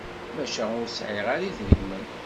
Maca ur sεiɣ ara idrimen.